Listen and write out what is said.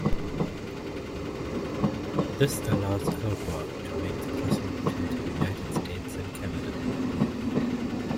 This allows "Elwha" to make the crossing between the United States and Canada.